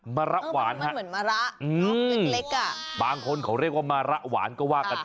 มะระวานหรออืมบางคนเขาเรียกว่ามะระวานก็ว่าอ่า